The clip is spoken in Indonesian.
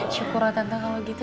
syukurlah tante kalau gitu